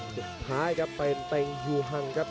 สุดท้ายครับเป็นเต็งยูฮังครับ